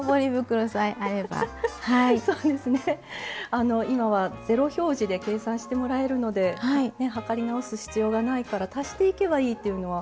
あの今はゼロ表示で計算してもらえるので量り直す必要がないから足していけばいいというのは。